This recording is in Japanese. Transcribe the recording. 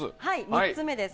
３つ目です。